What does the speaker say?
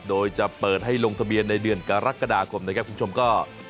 โดยจะเปิดให้ลงทะเบียนในเดือนกรกฎาคมนะครับคุณผู้ชมก็